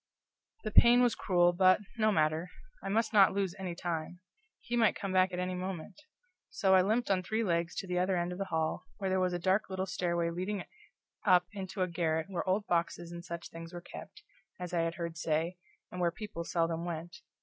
The pain was cruel, but, no matter, I must not lose any time; he might come back at any moment; so I limped on three legs to the other end of the hall, where there was a dark little stairway leading up into a garret where old boxes and such things were kept, as I had heard say, and where people seldom went.